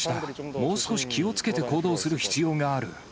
もう少し気をつけて行動をする必要がある。